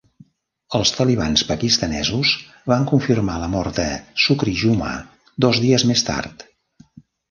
Els talibans pakistanesos van confirmar la mort de Shukrijumah dos dies més tard.